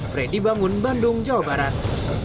freddy bangun bandung jawa barat